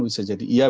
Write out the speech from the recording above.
bisa jadi demikian